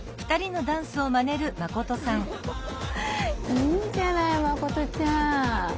いいじゃない真琴ちゃん！